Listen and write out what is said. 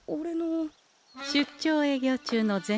出張営業中の銭